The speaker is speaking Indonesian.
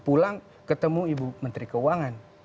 pulang ketemu ibu menteri keuangan